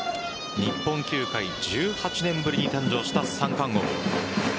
日本球界１８年ぶりに誕生した三冠王。